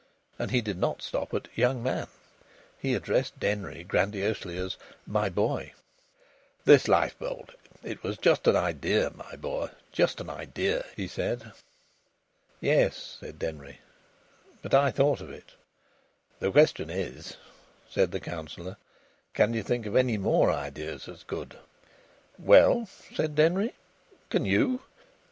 And he did not stop at "young man." He addressed Denry grandiosely as "my boy." "This lifeboat it was just an idea, my boy, just an idea," he said. "Yes," said Denry, "but I thought of it." "The question is," said the Councillor, "can you think of any more ideas as good?" "Well," said Denry, "can you?"